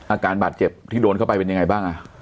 อาการบาดเจ็บที่โดนเข้าไปเป็นยังไงบ้าง